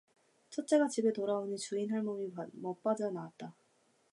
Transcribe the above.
첫째가 집에 돌아오니 주인 할멈이 맞받아 나왔다.